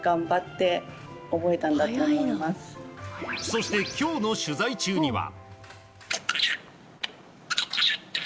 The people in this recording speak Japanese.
そして、今日の取材中には。